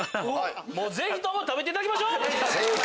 ぜひとも食べていただきましょう。